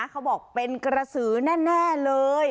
เขาบอกเป็นกระสือแน่เลย